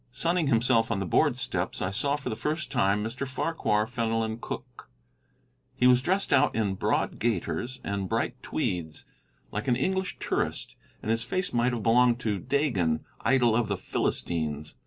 Sunning himself on the board steps, I saw for the first time Mr. Farquhar Fenelon Cooke. He was dressed out in broad gaiters and bright tweeds, like an English tourist, and his face might have belonged to Dagon, idol of the Philistines.